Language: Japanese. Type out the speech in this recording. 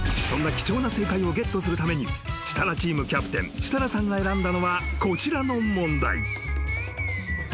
［そんな貴重な正解をゲットするために設楽チームキャプテン設楽さんが選んだのはこちらの問題］